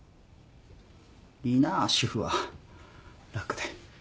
いいなぁ主婦は楽で